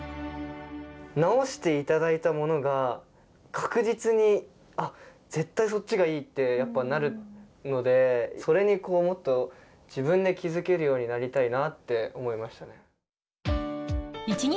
直して頂いたものが確実に絶対そっちがいいってなるのでそれにもっと自分で気付けるようになりたいなって思いましたね。